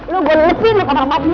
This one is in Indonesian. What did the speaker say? lu gua lelepin kamar mandi lu